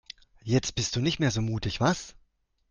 Jetzt bist du nicht mehr so mutig, was?